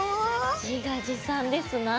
自画自賛ですなあ。